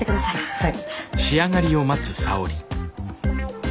はい。